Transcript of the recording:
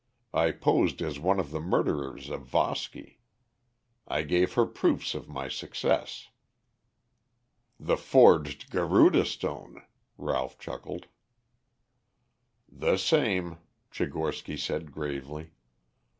"I posed as one of the murderers of Voski; I gave her proofs of my success." "The forged Garuda stone," Ralph chuckled. "The same," Tchigorsky said gravely.